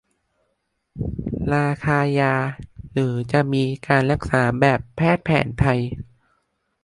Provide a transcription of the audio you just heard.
ราคายา หรือ จะมีการรักษาแบบแพทย์แผนไทย